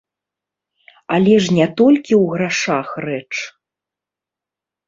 Але ж не толькі ў грашах рэч!